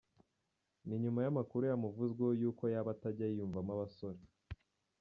Ni nyuma y’amakuru yamuvuzweho y’uko yaba atajya yiyumvamo abasore.